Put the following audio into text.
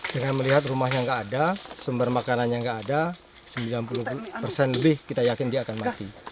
dengan melihat rumahnya tidak ada sumber makanan yang tidak ada sembilan puluh persen lebih kita yakin dia akan mati